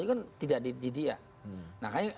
itu kan tidak dididik ya